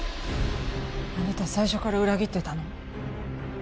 あなた最初から裏切ってたの？